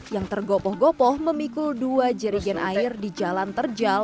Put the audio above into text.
yang tergopoh gopoh memikul dua jerigen air di jalan terjal